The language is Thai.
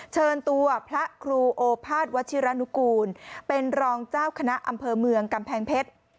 เชิญตัวพระครูโอภาษวัชิรณุกูลเป็นรองเจ้าคณะอำเภอเมืองกำแพงเพชร